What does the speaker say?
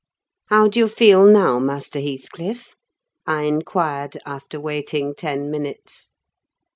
"How do you feel now, Master Heathcliff?" I inquired, after waiting ten minutes.